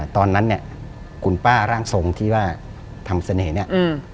ตอนนั้นเนี่ยคุณป้าร่างทรงที่ว่าทำเสน่ห์เนี่ย